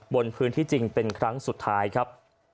บนพื้นที่จริงเป็นครั้งสุดท้ายครับ